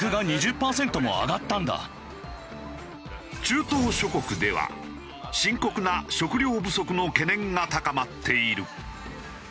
中東諸国では深刻な食糧不足の懸念が高まっている。